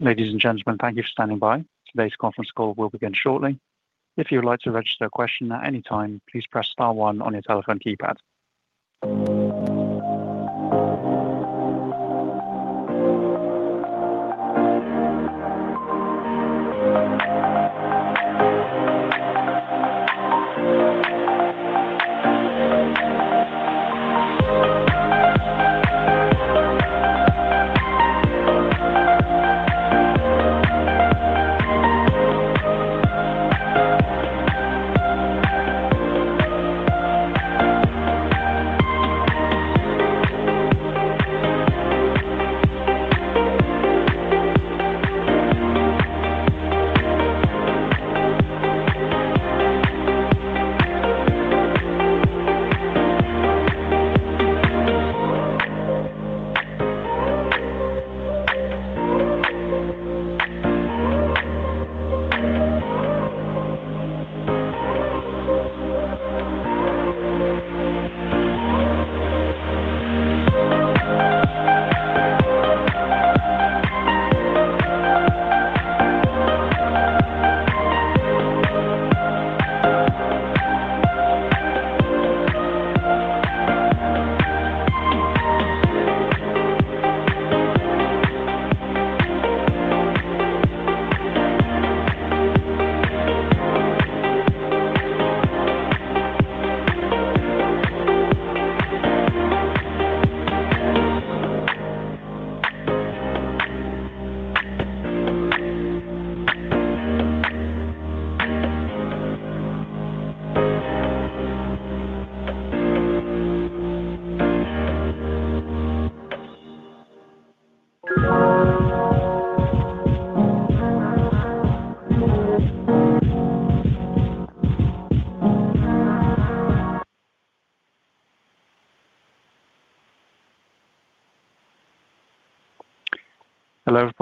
Ladies and gentlemen, thank you for standing by. Today's conference call will begin shortly. If you would like to register a question at any time, please press star one on your telephone keypad.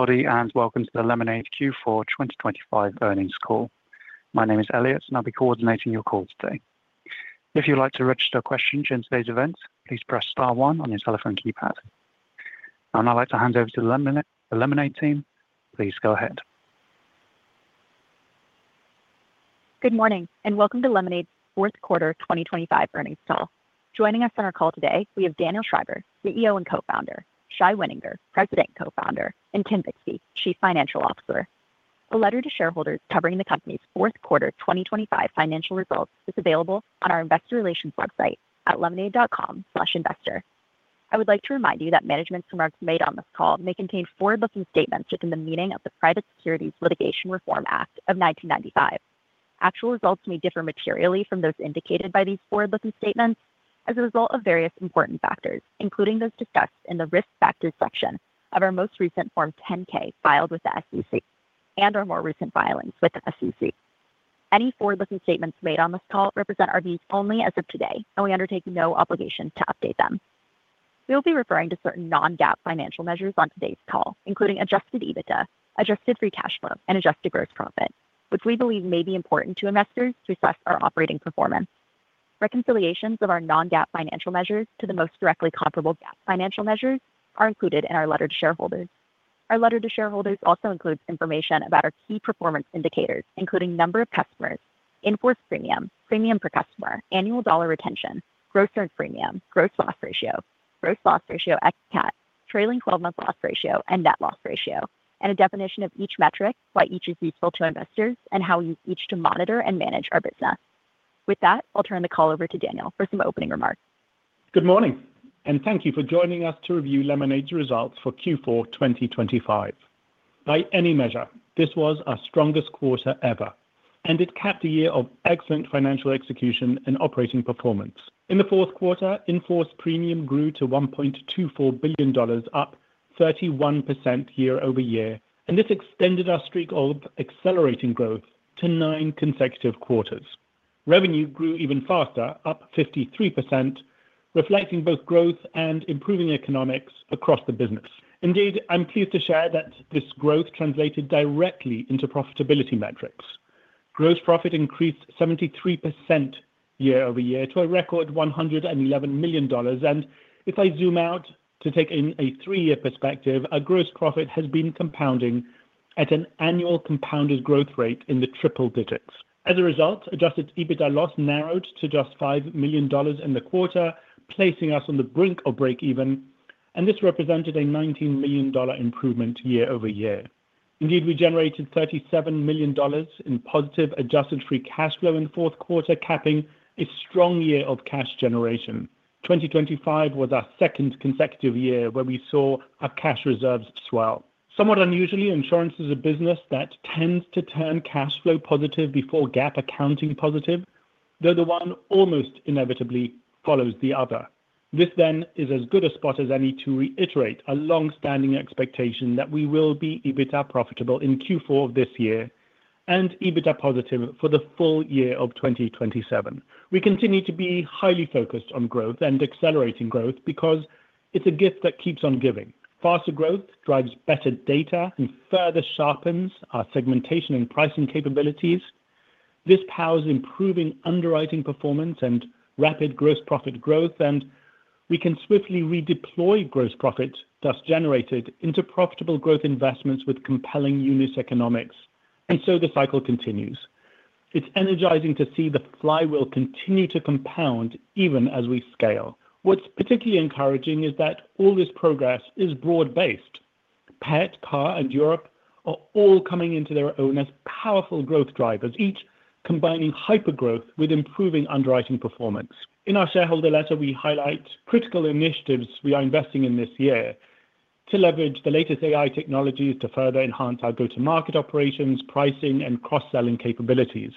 Hello, everybody, and welcome to the Lemonade Q4 2025 Earnings Call. My name is Elliot, and I'll be coordinating your call today. If you'd like to register a question during today's event, please press star one on your telephone keypad. And I'd like to hand over to the Lemonade, the Lemonade team. Please go ahead. Good morning, and welcome to Lemonade's Fourth Quarter 2025 Earnings Call. Joining us on our call today, we have Daniel Schreiber, the CEO and co-founder, Shai Wininger, President and co-founder, and Tim Bixby, Chief Financial Officer. A letter to shareholders covering the company's fourth quarter 2025 financial results is available on our investor relations website at lemonade.com/investor. I would like to remind you that management's remarks made on this call may contain forward-looking statements within the meaning of the Private Securities Litigation Reform Act of 1995. Actual results may differ materially from those indicated by these forward-looking statements as a result of various important factors, including those discussed in the Risk Factors section of our most recent Form 10-K filed with the SEC, and our more recent filings with the SEC. Any forward-looking statements made on this call represent our views only as of today, and we undertake no obligation to update them. We will be referring to certain non-GAAP financial measures on today's call, including adjusted EBITDA, adjusted free cash flow, and adjusted gross profit, which we believe may be important to investors to assess our operating performance. Reconciliations of our non-GAAP financial measures to the most directly comparable GAAP financial measures are included in our letter to shareholders. Our letter to shareholders also includes information about our key performance indicators, including number of customers, in-force premium, premium per customer, annual dollar retention, gross earned premium, gross loss ratio, gross loss ratio ex-CAT, trailing twelve-month loss ratio, and net loss ratio, and a definition of each metric, why each is useful to investors, and how we use each to monitor and manage our business. With that, I'll turn the call over to Daniel for some opening remarks. Good morning, and thank you for joining us to review Lemonade's results for Q4 2025. By any measure, this was our strongest quarter ever, and it capped a year of excellent financial execution and operating performance. In the fourth quarter, in-force premium grew to $1.24 billion, up 31% year-over-year, and this extended our streak of accelerating growth to nine consecutive quarters. Revenue grew even faster, up 53%, reflecting both growth and improving economics across the business. Indeed, I'm pleased to share that this growth translated directly into profitability metrics. Gross profit increased 73% year-over-year to a record $111 million, and if I zoom out to take in a 3-year perspective, our gross profit has been compounding at an annual compounded growth rate in the triple digits. As a result, adjusted EBITDA loss narrowed to just $5 million in the quarter, placing us on the brink of break-even, and this represented a $19 million improvement year-over-year. Indeed, we generated $37 million in positive adjusted free cash flow in the fourth quarter, capping a strong year of cash generation. 2025 was our second consecutive year where we saw our cash reserves swell. Somewhat unusually, insurance is a business that tends to turn cash flow positive before GAAP accounting positive, though the one almost inevitably follows the other. This then is as good a spot as any to reiterate a long-standing expectation that we will be EBITDA profitable in Q4 of this year and EBITDA positive for the full-year of 2027. We continue to be highly focused on growth and accelerating growth because it's a gift that keeps on giving. Faster growth drives better data and further sharpens our segmentation and pricing capabilities. This powers improving underwriting performance and rapid gross profit growth, and we can swiftly redeploy gross profit, thus generated into profitable growth investments with compelling unit economics, and so the cycle continues. It's energizing to see the flywheel continue to compound even as we scale. What's particularly encouraging is that all this progress is broad-based. Pet, Car, and Europe are all coming into their own as powerful growth drivers, each combining hypergrowth with improving underwriting performance. In our shareholder letter, we highlight critical initiatives we are investing in this year to leverage the latest AI technologies to further enhance our go-to-market operations, pricing, and cross-selling capabilities.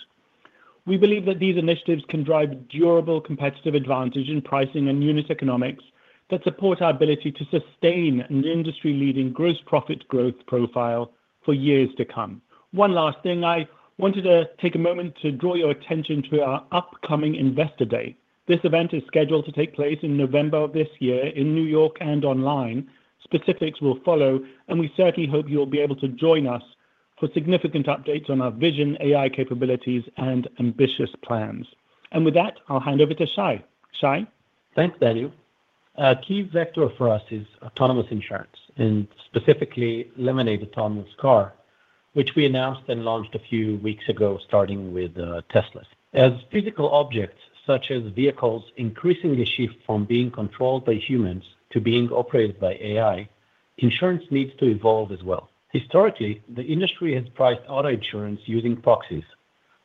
We believe that these initiatives can drive durable competitive advantage in pricing and unit economics that support our ability to sustain an industry-leading gross profit growth profile for years to come. One last thing, I wanted to take a moment to draw your attention to our upcoming Investor Day. This event is scheduled to take place in November of this year in New York and online. Specifics will follow, and we certainly hope you'll be able to join us for significant updates on our vision, AI capabilities, and ambitious plans. And with that, I'll hand over to Shai. Shai? Thanks, Daniel. A key vector for us is autonomous insurance and specifically Lemonade Autonomous Car, which we announced and launched a few weeks ago, starting with Teslas. As physical objects, such as vehicles, increasingly shift from being controlled by humans to being operated by AI, insurance needs to evolve as well. Historically, the industry has priced auto insurance using proxies,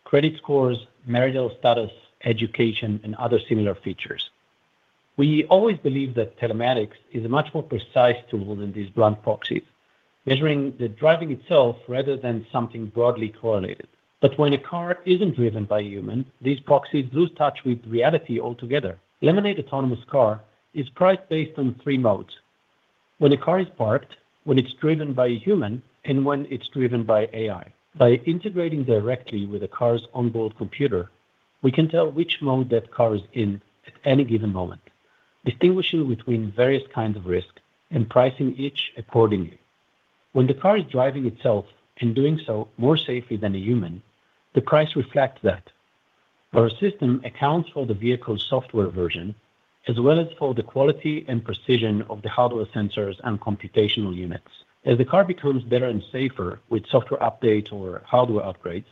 credit scores, marital status, education, and other similar features. We always believe that telematics is a much more precise tool than these blunt proxies, measuring the driving itself rather than something broadly correlated. But when a Car isn't driven by a human, these proxies lose touch with reality altogether. Lemonade Autonomous Car is priced based on three modes: when a Car is parked, when it's driven by a human, and when it's driven by AI. By integrating directly with a car's onboard computer, we can tell which mode that car is in at any given moment, distinguishing between various kinds of risk and pricing each accordingly. When the car is driving itself and doing so more safely than a human, the price reflects that. Our system accounts for the vehicle's software version, as well as for the quality and precision of the hardware sensors and computational units. As the car becomes better and safer with software updates or hardware upgrades,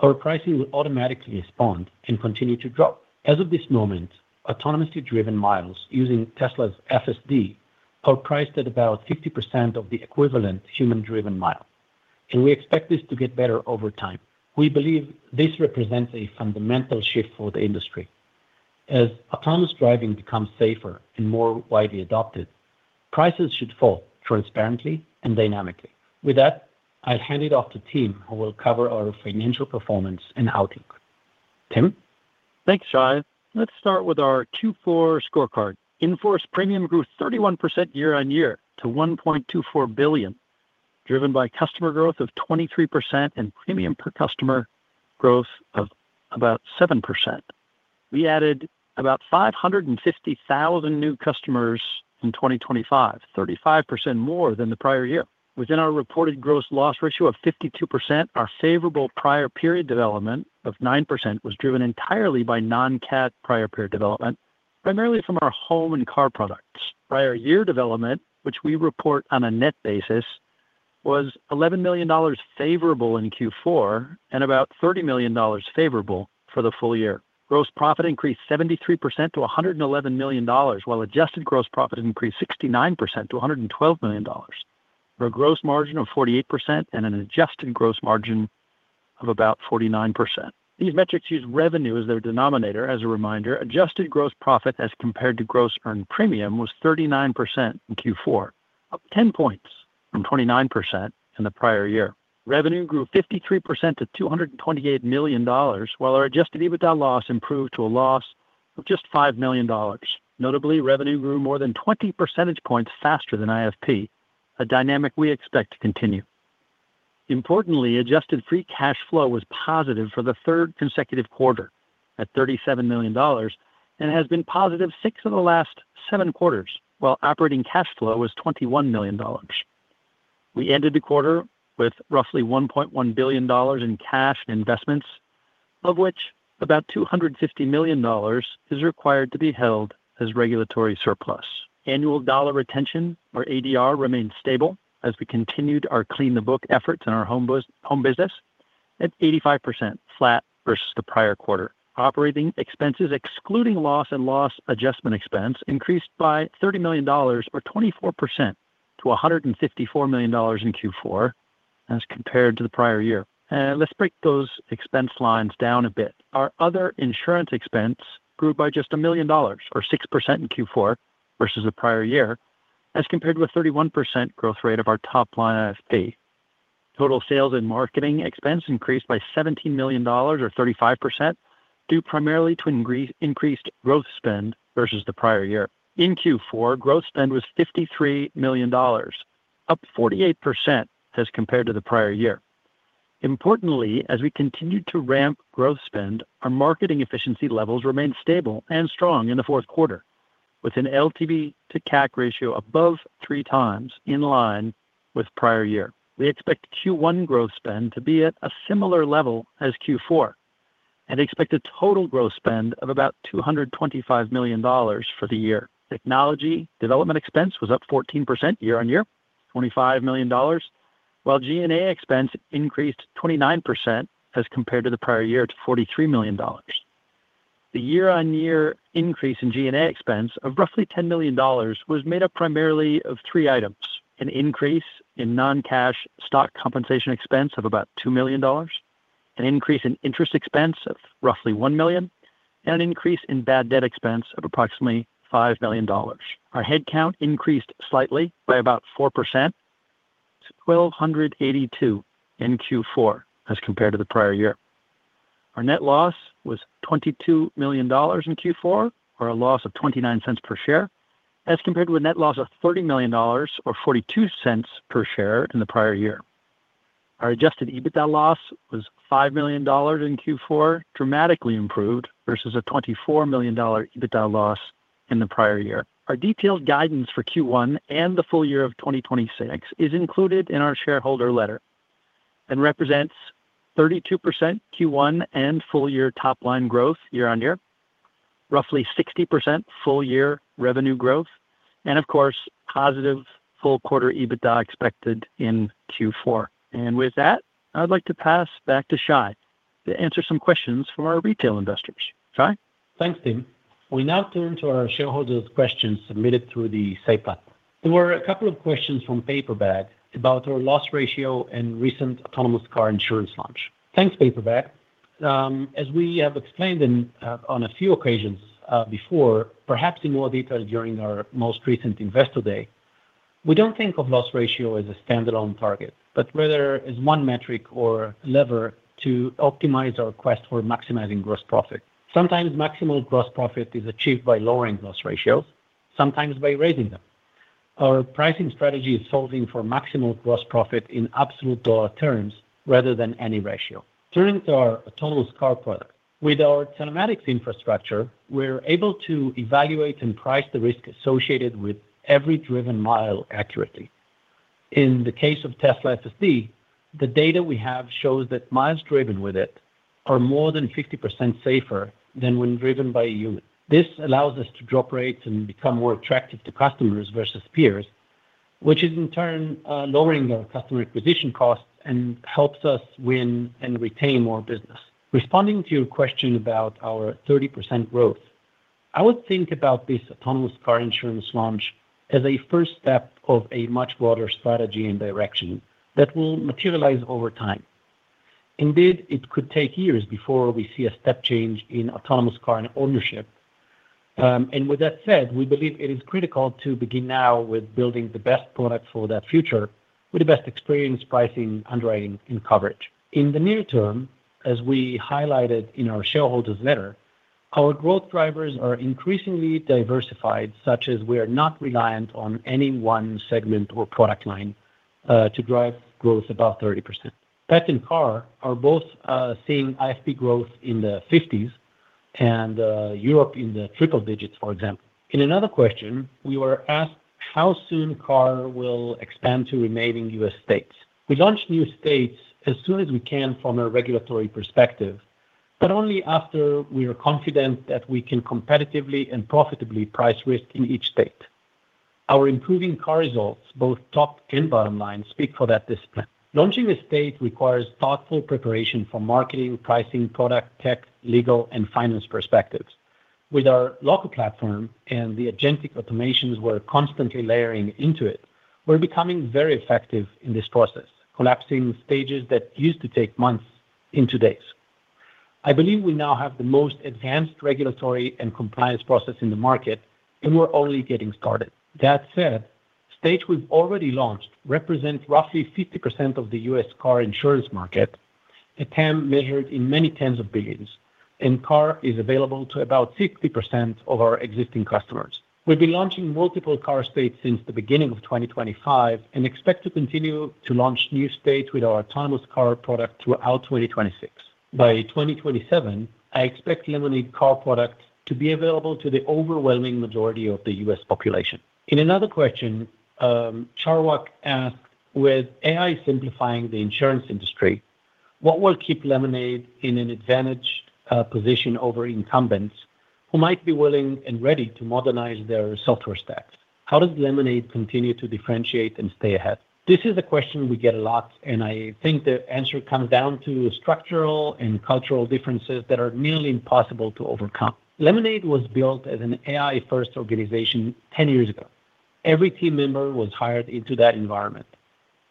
our pricing will automatically respond and continue to drop. As of this moment, autonomously driven miles using Tesla's FSD are priced at about 50% of the equivalent human-driven mile, and we expect this to get better over time. We believe this represents a fundamental shift for the industry. As autonomous driving becomes safer and more widely adopted, prices should fall transparently and dynamically. With that, I'll hand it off to Tim, who will cover our financial performance and outlook. Tim? Thanks, Shai. Let's start with our Q4 scorecard. In-force premium grew 31% year-on-year to $1.24 billion, driven by customer growth of 23% and premium per customer growth of about 7%. We added about 550,000 new customers in 2025, 35% more than the prior year. Within our reported gross loss ratio of 52%, our favorable prior period development of 9% was driven entirely by non-cat prior period development, primarily from our home and car products. Prior year development, which we report on a net basis, was $11 million favorable in Q4 and about $30 million favorable for the full year. Gross profit increased 73% to $111 million, while adjusted gross profit increased 69% to $112 million, for a gross margin of 48% and an adjusted gross margin of about 49%. These metrics use revenue as their denominator. As a reminder, adjusted gross profit as compared to gross earned premium, was 39% in Q4, up 10 points from 29% in the prior year. Revenue grew 53% to $228 million, while our adjusted EBITDA loss improved to a loss of just $5 million. Notably, revenue grew more than 20 percentage points faster than IFP, a dynamic we expect to continue. Importantly, adjusted free cash flow was positive for the third consecutive quarter at $37 million and has been positive six of the last seven quarters, while operating cash flow was $21 million. We ended the quarter with roughly $1.1 billion in cash and investments, of which about $250 million is required to be held as regulatory surplus. Annual Dollar Retention, or ADR, remains stable as we continued our clean the book efforts in our home business at 85% flat versus the prior quarter. Operating expenses, excluding loss and loss adjustment expense, increased by $30 million or 24% to $154 million in Q4 as compared to the prior year. Let's break those expense lines down a bit. Our other insurance expense grew by just $1 million or 6% in Q4 versus the prior year, as compared with 31% growth rate of our top line IFP. Total sales and marketing expense increased by $17 million or 35%, due primarily to increased growth spend versus the prior year. In Q4, growth spend was $53 million, up 48% as compared to the prior year. Importantly, as we continued to ramp growth spend, our marketing efficiency levels remained stable and strong in the fourth quarter... with an LTV to CAC ratio above 3x in line with prior year. We expect Q1 growth spend to be at a similar level as Q4 and expect a total growth spend of about $225 million for the year. Technology development expense was up 14% year-on-year, $25 million, while G&A expense increased 29% as compared to the prior year to $43 million. The year-on-year increase in G&A expense of roughly $10 million was made up primarily of three items: an increase in non-cash stock compensation expense of about $2 million, an increase in interest expense of roughly $1 million, and an increase in bad debt expense of approximately $5 million. Our headcount increased slightly by about 4% to 1,282 in Q4 as compared to the prior year. Our net loss was $22 million in Q4, or a loss of $0.29 per share, as compared to a net loss of $30 million or $0.42 per share in the prior year. Our adjusted EBITDA loss was $5 million in Q4, dramatically improved versus a $24 million EBITDA loss in the prior year. Our detailed guidance for Q1 and the full-year of 2026 is included in our shareholder letter and represents 32% Q1 and full-year top-line growth year-on-year, roughly 60% full-year revenue growth, and of course, positive full-quarter EBITDA expected in Q4. And with that, I'd like to pass back to Shai to answer some questions from our retail investors. Shai? Thanks, Tim. We now turn to our shareholders' questions submitted through the Say Platform. There were a couple of questions from Paperbag about our loss ratio and recent Autonomous Car insurance launch. Thanks, Paperbag. As we have explained in, on a few occasions, before, perhaps in more detail during our most recent Investor Day, we don't think of loss ratio as a standalone target, but rather as one metric or lever to optimize our quest for maximizing gross profit. Sometimes maximal gross profit is achieved by lowering loss ratios, sometimes by raising them. Our pricing strategy is solving for maximal gross profit in absolute dollar terms rather than any ratio. Turning to our Autonomous Car product. With our telematics infrastructure, we're able to evaluate and price the risk associated with every driven mile accurately. In the case of Tesla FSD, the data we have shows that miles driven with it are more than 50% safer than when driven by a human. This allows us to drop rates and become more attractive to customers versus peers, which is in turn, lowering our customer acquisition costs and helps us win and retain more business. Responding to your question about our 30% growth, I would think about this Autonomous Car insurance launch as a first step of a much broader strategy and direction that will materialize over time. Indeed, it could take years before we see a step change in Autonomous Car and ownership. And with that said, we believe it is critical to begin now with building the best product for that future with the best experience, pricing, underwriting, and coverage. In the near term, as we highlighted in our shareholders' letter, our growth drivers are increasingly diversified, such as we are not reliant on any one segment or product line, to drive growth above 30%. Pet and car are both, seeing IFP growth in the 50s and, Europe in the triple digits, for example. In another question, we were asked how soon Car will expand to remaining U.S. states. We launch new states as soon as we can from a regulatory perspective, but only after we are confident that we can competitively and profitably price risk in each state. Our improving car results, both top and bottom line, speak for that discipline. Launching a state requires thoughtful preparation for marketing, pricing, product, tech, legal, and finance perspectives. With our local platform and the agentic automations we're constantly layering into it, we're becoming very effective in this process, collapsing stages that used to take months into days. I believe we now have the most advanced regulatory and compliance process in the market, and we're only getting started. That said, states we've already launched represent roughly 50% of the U.S. car insurance market, a TAM measured in $ many tens of billions, and Car is available to about 60% of our existing customers. We've been launching multiple car states since the beginning of 2025 and expect to continue to launch new states with our Autonomous Car product throughout 2026. By 2027, I expect Lemonade Car product to be available to the overwhelming majority of the U.S. population. In another question, Charwak asked: With AI simplifying the insurance industry, what will keep Lemonade in an advantage position over incumbents who might be willing and ready to modernize their software stacks? How does Lemonade continue to differentiate and stay ahead? This is a question we get a lot, and I think the answer comes down to structural and cultural differences that are nearly impossible to overcome. Lemonade was built as an AI-first organization 10 years ago. Every team member was hired into that environment.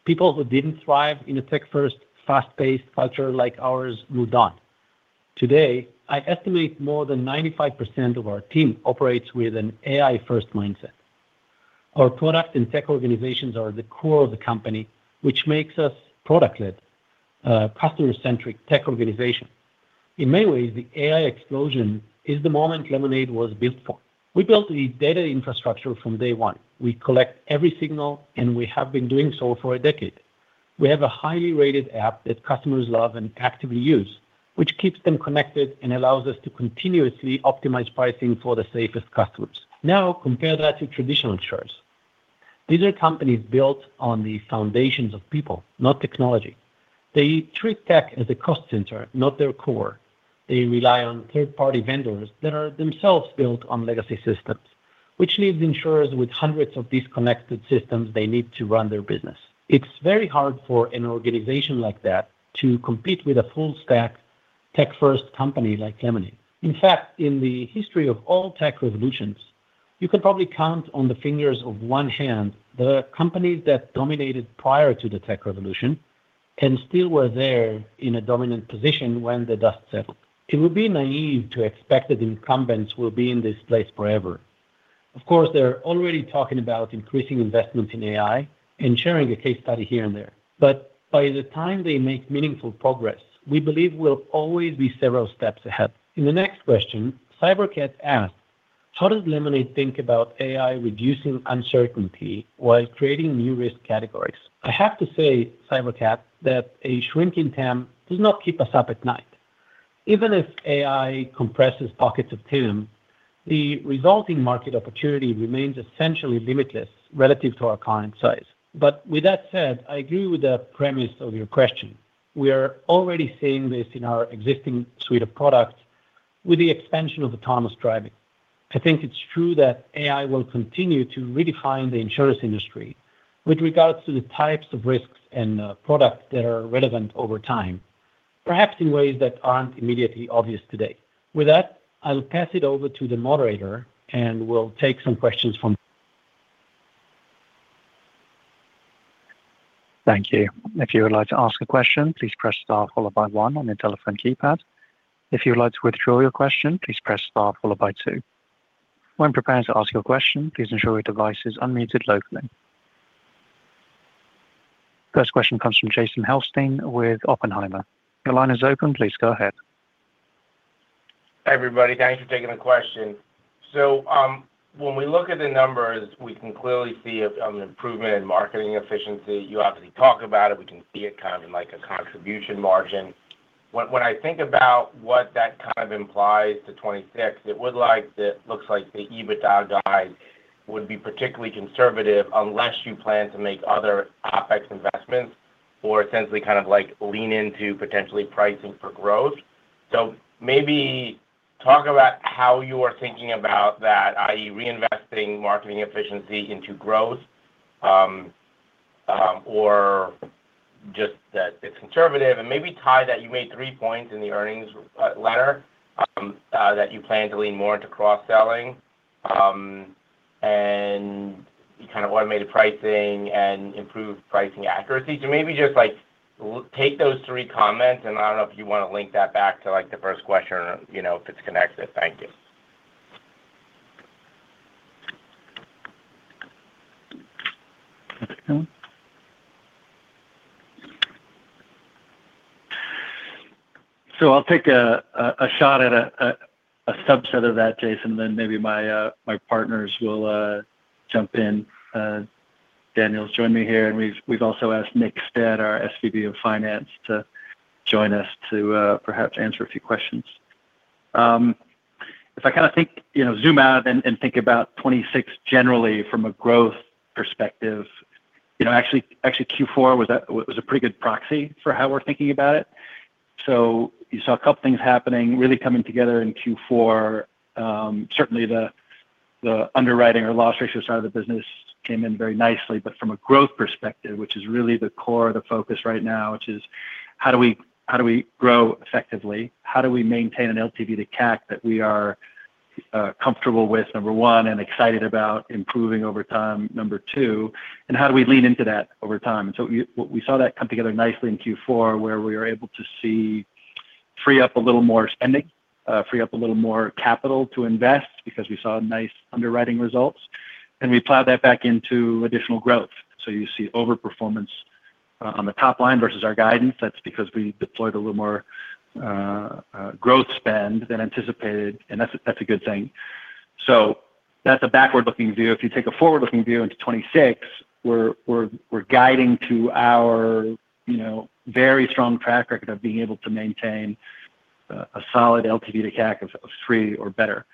People who didn't thrive in a tech-first, fast-paced culture like ours moved on. Today, I estimate more than 95% of our team operates with an AI-first mindset. Our product and tech organizations are the core of the company, which makes us product-led, customer-centric tech organization. In many ways, the AI explosion is the moment Lemonade was built for. We built the data infrastructure from day one. We collect every signal, and we have been doing so for a decade... We have a highly rated app that customers love and actively use, which keeps them connected and allows us to continuously optimize pricing for the safest customers. Now, compare that to traditional insurers. These are companies built on the foundations of people, not technology. They treat tech as a cost center, not their core. They rely on third-party vendors that are themselves built on legacy systems, which leaves insurers with hundreds of disconnected systems they need to run their business. It's very hard for an organization like that to compete with a full stack tech-first company like Lemonade. In fact, in the history of all tech revolutions, you could probably count on the fingers of one hand the companies that dominated prior to the tech revolution and still were there in a dominant position when the dust settled. It would be naive to expect that incumbents will be in this place forever. Of course, they're already talking about increasing investment in AI and sharing a case study here and there. But by the time they make meaningful progress, we believe we'll always be several steps ahead. In the next question, Cybercat asked: How does Lemonade think about AI reducing uncertainty while creating new risk categories? I have to say, Cybercat, that a shrinking TAM does not keep us up at night. Even if AI compresses pockets of TAM, the resulting market opportunity remains essentially limitless relative to our current size. But with that said, I agree with the premise of your question. We are already seeing this in our existing suite of products with the expansion of autonomous driving. I think it's true that AI will continue to redefine the insurance industry with regards to the types of risks and, products that are relevant over time, perhaps in ways that aren't immediately obvious today. With that, I'll pass it over to the moderator, and we'll take some questions from- Thank you. If you would like to ask a question, please press star followed by one on your telephone keypad. If you would like to withdraw your question, please press star followed by two. When preparing to ask your question, please ensure your device is unmuted locally. First question comes from Jason Helfstein with Oppenheimer. Your line is open, please go ahead. Hi, everybody. Thanks for taking the question. So, when we look at the numbers, we can clearly see an improvement in marketing efficiency. You obviously talk about it. We can see it kind of in like a contribution margin. What, when I think about what that kind of implies to 2026, it would like that looks like the EBITDA guide would be particularly conservative unless you plan to make other OpEx investments or essentially kind of like lean into potentially pricing for growth. So maybe talk about how you are thinking about that, i.e., reinvesting marketing efficiency into growth, or just that it's conservative. And maybe tie that you made three points in the earnings letter that you plan to lean more into cross-selling, and you kind of automated pricing and improved pricing accuracy. So maybe just, like, take those three comments, and I don't know if you want to link that back to, like, the first question or, you know, if it's connected. Thank you. So I'll take a shot at a subset of that, Jason, and then maybe my partners will jump in. Daniel's joined me here, and we've also asked Nick Stead, our SVP of Finance, to join us to perhaps answer a few questions. If I kind of think, you know, zoom out and think about 2026 generally from a growth perspective, you know, actually, Q4 was a pretty good proxy for how we're thinking about it. So you saw a couple of things happening, really coming together in Q4. Certainly the underwriting or loss ratio side of the business came in very nicely, but from a growth perspective, which is really the core, the focus right now, which is how do we grow effectively? How do we maintain an LTV to CAC that we are comfortable with, number one, and excited about improving over time, number two, and how do we lean into that over time? And so we, we saw that come together nicely in Q4, where we were able to see free up a little more spending, free up a little more capital to invest because we saw nice underwriting results, and we plowed that back into additional growth. So you see overperformance on the top line versus our guidance. That's because we deployed a little more growth spend than anticipated, and that's a good thing. So that's a backward-looking view. If you take a forward-looking view into 2026, we're guiding to our you know very strong track record of being able to maintain a solid LTV to CAC of three or better.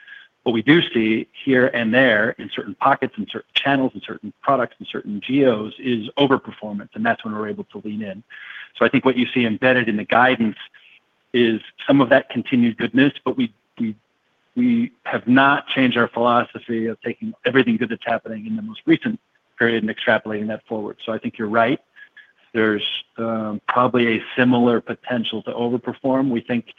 What we do see here and there in certain pockets, in certain channels, in certain products, in certain geos, is overperformance, and that's when we're able to lean in. So I think what you see embedded in the guidance is some of that continued goodness, but we have not changed our philosophy of taking everything good that's happening in the most recent period and extrapolating that forward. So I think you're right. There's probably a similar potential to overperform. We think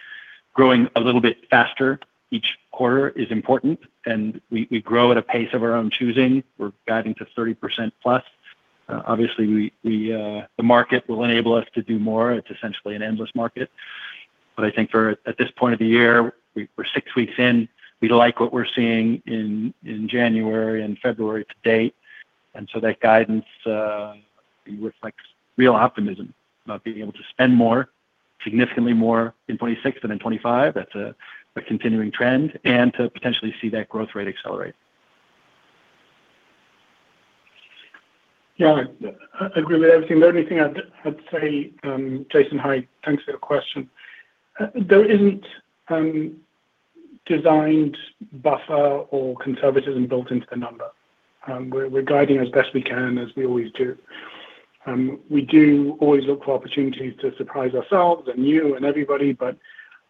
growing a little bit faster each quarter is important, and we grow at a pace of our own choosing. We're guiding to 30%+. Obviously, we, the market will enable us to do more. It's essentially an endless market. But I think for at this point of the year, we're six weeks in, we like what we're seeing in January and February to date, and so that guidance reflects real optimism about being able to spend more, significantly more in 2026 than in 2025. That's a continuing trend, and to potentially see that growth rate accelerate.... Yeah, I agree with everything. The only thing I'd say, Jason, hi, thanks for your question. There isn't designed buffer or conservatism built into the number. We're guiding as best we can, as we always do. We do always look for opportunities to surprise ourselves and you and everybody, but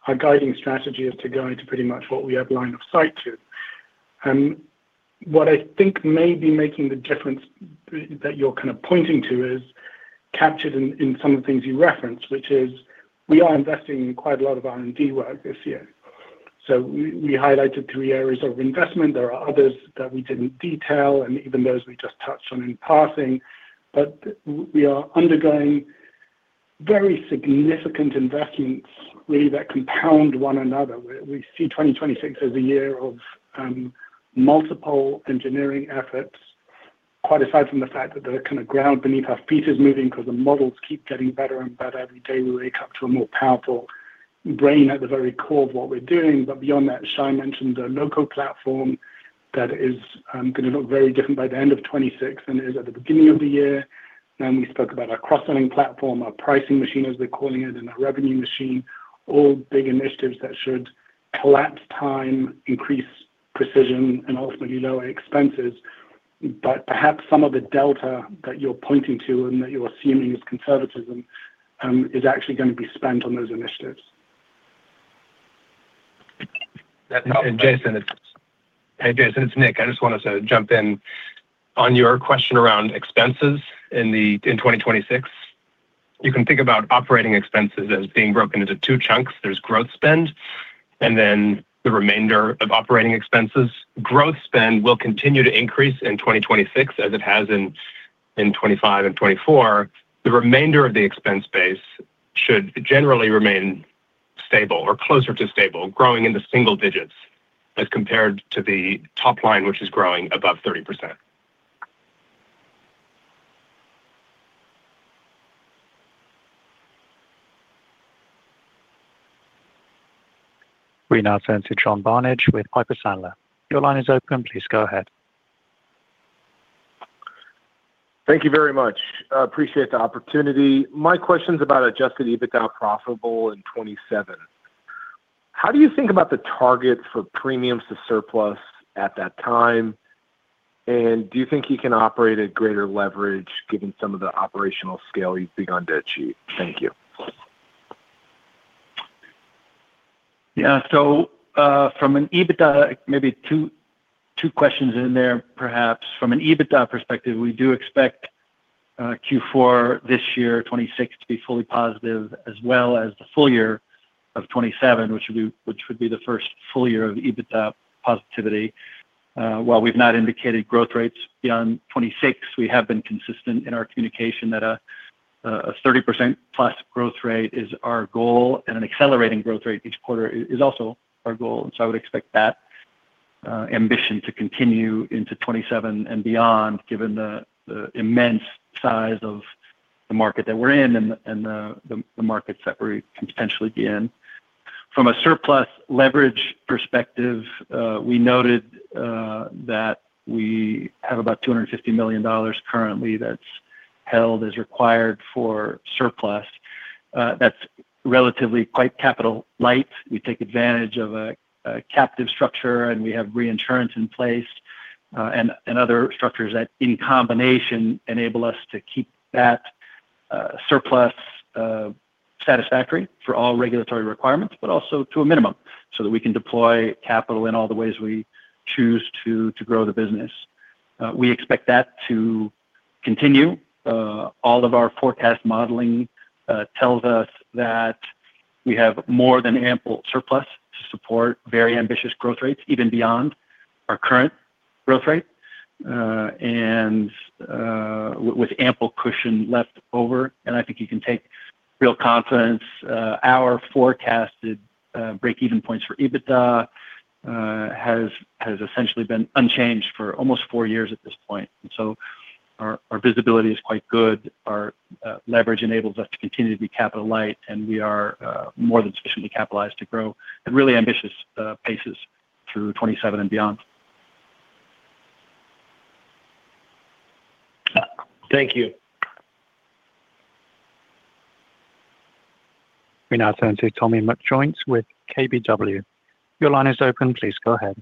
our guiding strategy is to go into pretty much what we have line of sight to. What I think may be making the difference that you're kind of pointing to is captured in some of the things you referenced, which is we are investing in quite a lot of R&D work this year. So we highlighted three areas of investment. There are others that we didn't detail, and even those we just touched on in passing. But we are undergoing very significant investments, really, that compound one another. We, we see 2026 as a year of multiple engineering efforts, quite aside from the fact that the kind of ground beneath our feet is moving because the models keep getting better and better every day. We wake up to a more powerful brain at the very core of what we're doing. But beyond that, Shai mentioned the local platform that is gonna look very different by the end of 2026 than it is at the beginning of the year. Then we spoke about our cross-selling platform, our pricing machine, as we're calling it, and our revenue machine, all big initiatives that should collapse time, increase precision, and ultimately lower expenses. But perhaps some of the delta that you're pointing to and that you're assuming is conservatism is actually gonna be spent on those initiatives. Jason, hey, Jason, it's Nick. I just wanted to jump in. On your question around expenses in 2026, you can think about operating expenses as being broken into two chunks. There's growth spend, and then the remainder of operating expenses. Growth spend will continue to increase in 2026, as it has in 2025 and 2024. The remainder of the expense base should generally remain stable or closer to stable, growing into single digits as compared to the top line, which is growing above 30%. We now turn to John Barnidge with Piper Sandler. Your line is open. Please go ahead. Thank you very much. I appreciate the opportunity. My question is about Adjusted EBITDA profitable in 2027. How do you think about the target for premiums to surplus at that time? And do you think you can operate at greater leverage given some of the operational scale you see on balance sheet? Thank you. Yeah. So, from an EBITDA perspective, maybe two, two questions in there, perhaps. From an EBITDA perspective, we do expect Q4 this year, 2026, to be fully positive, as well as the full-year of 2027, which would be, which would be the first full year of EBITDA positivity. While we've not indicated growth rates beyond 2026, we have been consistent in our communication that a 30%+ growth rate is our goal, and an accelerating growth rate each quarter is, is also our goal. And so I would expect that ambition to continue into 2027 and beyond, given the immense size of the market that we're in and the markets that we can potentially be in. From a surplus leverage perspective, we noted that we have about $250 million currently that's held as required for surplus. That's relatively quite capital light. We take advantage of a captive structure, and we have reinsurance in place, and other structures that in combination enable us to keep that surplus satisfactory for all regulatory requirements, but also to a minimum, so that we can deploy capital in all the ways we choose to grow the business. We expect that to continue. All of our forecast modeling tells us that we have more than ample surplus to support very ambitious growth rates, even beyond our current growth rate, and with ample cushion left over. And I think you can take real confidence. Our forecasted break-even points for EBITDA has essentially been unchanged for almost four years at this point. And so our visibility is quite good. Our leverage enables us to continue to be capital light, and we are more than sufficiently capitalized to grow at really ambitious paces through 2027 and beyond. Thank you. We now turn to Tommy McJoynt with KBW. Your line is open. Please go ahead.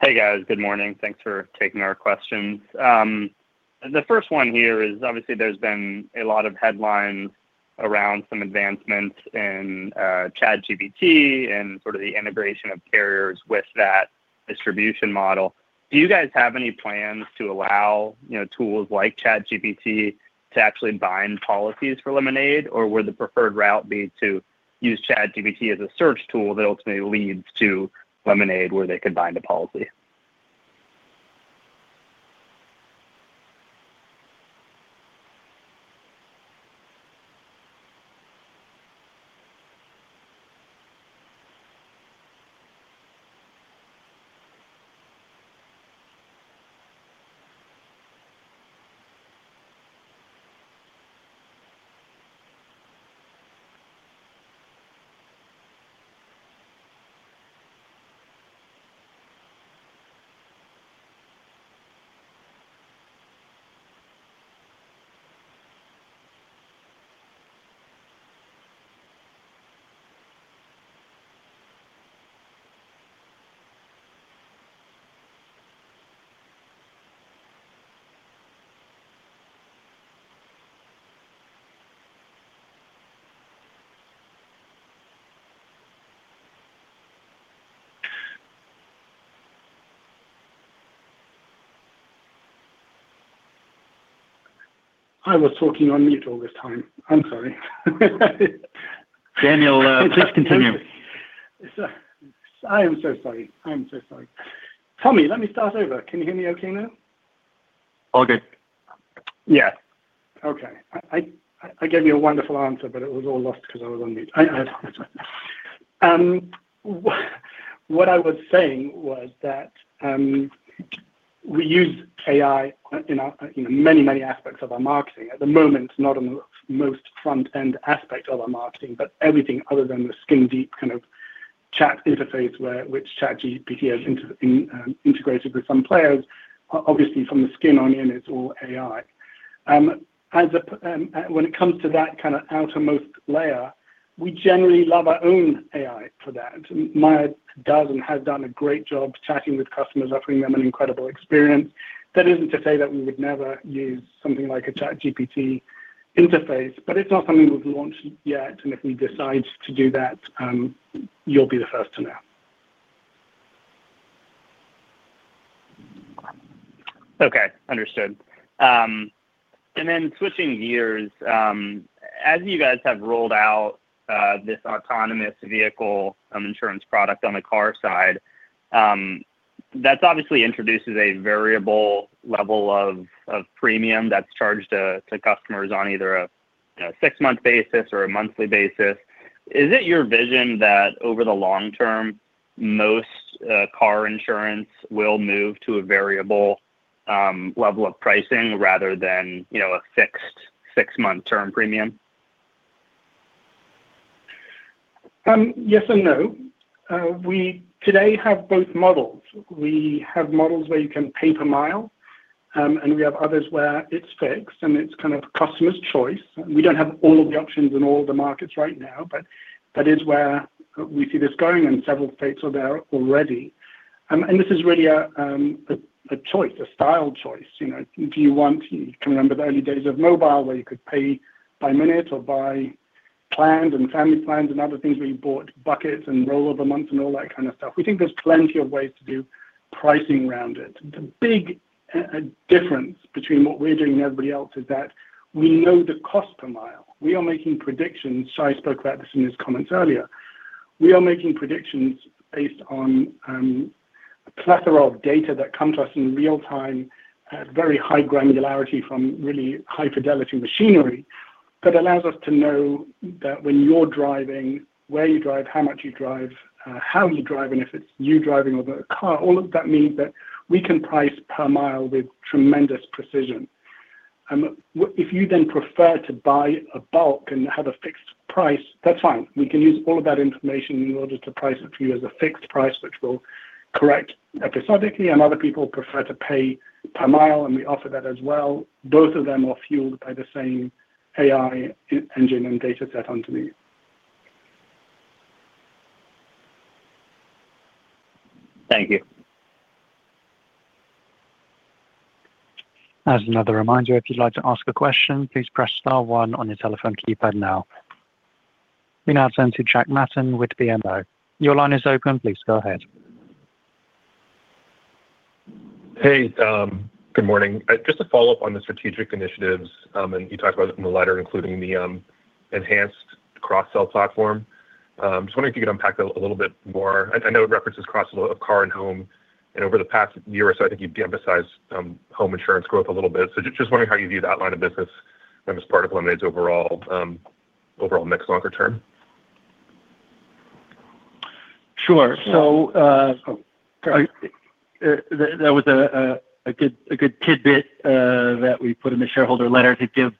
Hey, guys. Good morning. Thanks for taking our questions. The first one here is obviously there's been a lot of headlines around some advancements in ChatGPT and sort of the integration of carriers with that distribution model. Do you guys have any plans to allow, you know, tools like ChatGPT to actually bind policies for Lemonade, or would the preferred route be to use ChatGPT as a search tool that ultimately leads to Lemonade, where they could bind a policy? I was talking on mute all this time. I'm sorry. Daniel, please continue. I am so sorry. I am so sorry. Tommy, let me start over. Can you hear me okay now? All good. Yeah. Okay. I gave you a wonderful answer, but it was all lost because I was on mute. What I was saying was that we use AI in many aspects of our marketing. At the moment, not on the most front-end aspect of our marketing, but everything other than the skin-deep kind of chat interface, where ChatGPT has integrated with some players. Obviously, from the skin on in, it's all AI. When it comes to that kind of outermost layer, we generally love our own AI for that. Maya does and has done a great job chatting with customers, offering them an incredible experience. That isn't to say that we would never use something like a ChatGPT interface, but it's not something we've launched yet, and if we decide to do that, you'll be the first to know. Okay, understood. And then switching gears, as you guys have rolled out, this autonomous vehicle, insurance product on the car side, that's obviously introduces a variable level of, of premium that's charged, to customers on either a, a six-month basis or a monthly basis. Is it your vision that over the long term, most, car insurance will move to a variable, level of pricing rather than, you know, a fixed six-month term premium? Yes and no. We today have both models. We have models where you can pay per mile, and we have others where it's fixed, and it's kind of customer's choice. We don't have all of the options in all the markets right now, but that is where we see this going, and several states are there already. And this is really a choice, a style choice. You know, do you want... You can remember the early days of mobile, where you could pay by minute or by plan and family plans and other things, where you bought buckets and roll over months and all that kind of stuff. We think there's plenty of ways to do pricing around it. The big difference between what we're doing and everybody else is that we know the cost per mile. We are making predictions. Shai spoke about this in his comments earlier. We are making predictions based on a plethora of data that come to us in real time at very high granularity from really high-fidelity machinery, that allows us to know that when you're driving, where you drive, how much you drive, how you drive, and if it's you driving or the car. All of that means that we can price per mile with tremendous precision. If you then prefer to buy a bulk and have a fixed price, that's fine. We can use all of that information in order to price it for you as a fixed price, which we'll correct episodically, and other people prefer to pay per mile, and we offer that as well. Both of them are fueled by the same AI engine and data set underneath. Thank you. As another reminder, if you'd like to ask a question, please press star one on your telephone keypad now. We now turn to Jack Matten with BMO. Your line is open. Please go ahead. Hey, good morning. Just to follow up on the strategic initiatives, and you talked about it in the letter, including the enhanced cross-sell platform. Just wondering if you could unpack that a little bit more. I know it references cross-sell of car and home, and over the past year or so, I think you've de-emphasized home insurance growth a little bit. So just wondering how you view that line of business and as part of Lemonade's overall mix longer term? Sure. So, that was a good tidbit that we put in the shareholder letter to give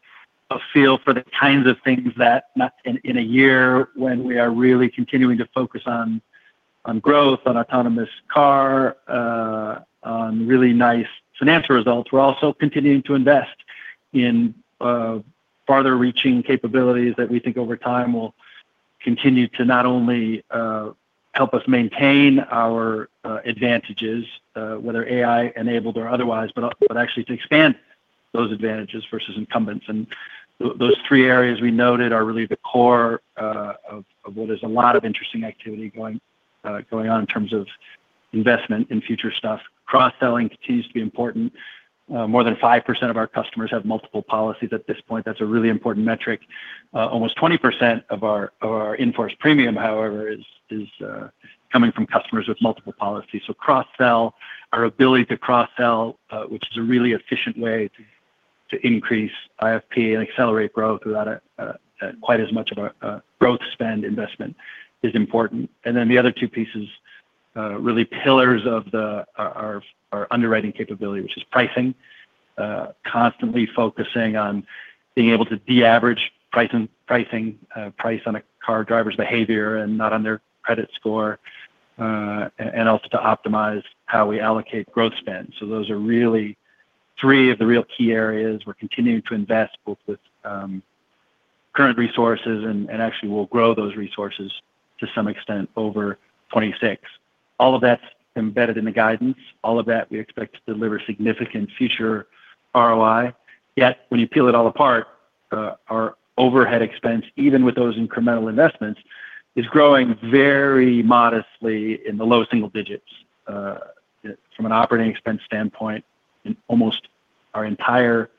a feel for the kinds of things, not in a year when we are really continuing to focus on growth, on Autonomous Car, on really nice financial results. We're also continuing to invest in farther-reaching capabilities that we think over time will continue to not only help us maintain our advantages, whether AI-enabled or otherwise, but actually to expand those advantages versus incumbents. And those three areas we noted are really the core of what is a lot of interesting activity going on in terms of investment in future stuff. Cross-selling continues to be important. More than 5% of our customers have multiple policies at this point. That's a really important metric. Almost 20% of our in-force premium, however, is coming from customers with multiple policies. So cross-sell, our ability to cross-sell, which is a really efficient way to increase IFP and accelerate growth without quite as much of a growth spend investment, is important. And then the other two pieces- ... really pillars of our underwriting capability, which is pricing, constantly focusing on being able to de-average pricing, price on a car's driver's behavior and not on their credit score, and also to optimize how we allocate growth spend. So those are really three of the real key areas we're continuing to invest, both with current resources and actually we'll grow those resources to some extent over 2026. All of that's embedded in the guidance. All of that we expect to deliver significant future ROI. Yet, when you peel it all apart, our overhead expense, even with those incremental investments, is growing very modestly in the low single digits, from an operating expense standpoint, and almost our entire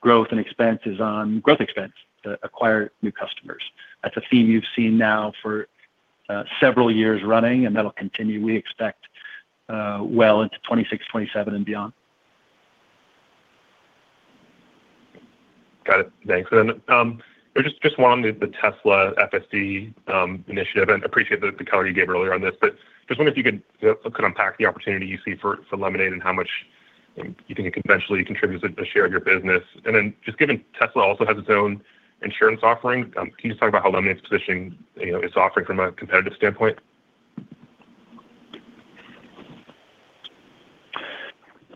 growth and expense is on growth expense to acquire new customers. That's a theme you've seen now for several years running, and that'll continue, we expect, well into 2026, 2027 and beyond. Got it. Thanks. And just one on the Tesla FSD initiative, and appreciate the color you gave earlier on this. But just wondering if you could unpack the opportunity you see for Lemonade and how much you think it could eventually contribute to the share of your business. And then just given Tesla also has its own insurance offering, can you just talk about how Lemonade's positioning, you know, its offering from a competitive standpoint?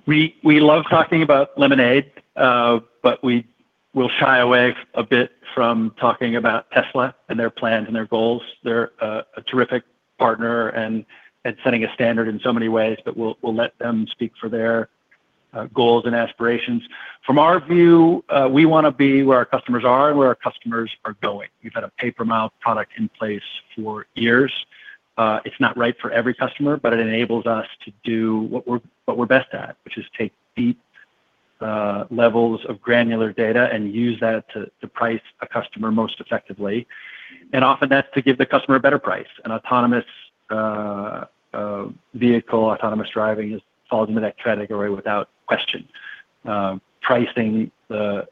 We love talking about Lemonade, but we will shy away a bit from talking about Tesla and their plans and their goals. They're a terrific partner and setting a standard in so many ways, but we'll let them speak for their goals and aspirations. From our view, we want to be where our customers are and where our customers are going. We've had a pay-per-mile product in place for years. It's not right for every customer, but it enables us to do what we're best at, which is take deep levels of granular data and use that to price a customer most effectively. And often that's to give the customer a better price. An autonomous vehicle, autonomous driving, falls into that category without question. Pricing the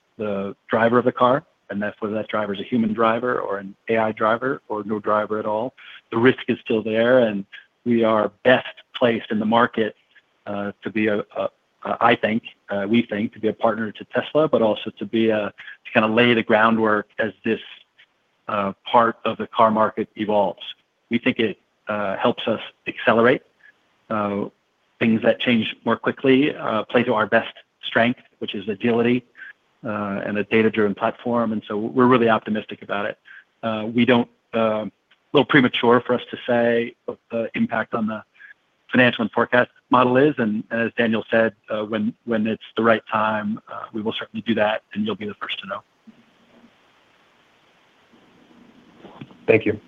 driver of the car, and therefore that driver is a human driver or an AI driver or no driver at all, the risk is still there, and we are best placed in the market to be a, I think, we think to be a partner to Tesla, but also to be a, to kind of lay the groundwork as this part of the car market evolves. We think it helps us accelerate things that change more quickly, play to our best strength, which is agility, and a data-driven platform, and so we're really optimistic about it. We don't... A little premature for us to say what the impact on the financial and forecast model is, and as Daniel said, when it's the right time, we will certainly do that, and you'll be the first to know. Thank you.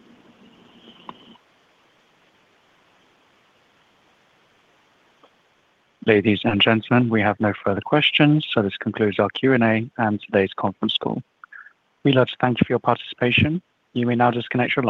Ladies and gentlemen, we have no further questions, so this concludes our Q&A and today's conference call. We'd like to thank you for your participation. You may now disconnect your lines.